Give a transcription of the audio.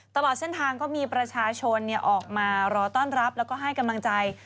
ตลอดเส้นทางก็มีประชาชนออกมารอต้อนรับแล้วก็ให้กำลังใจ